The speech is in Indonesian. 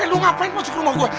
eh lu ngapain masuk rumah gua